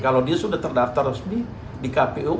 kalau dia sudah terdaftar resmi di kpu